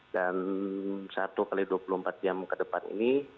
dan satu x dua puluh empat jam ke depan ini